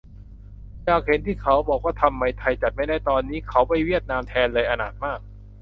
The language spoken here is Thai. อยากเห็น ที่บอกว่าทำไมไทยจัดไม่ได้ ตอนนี้เขาไปเวียดนามแทนเลย อนาถมาก